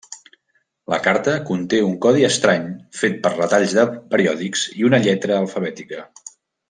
La carta conté un codi estrany fet per retalls de periòdics i una lletra alfabètica.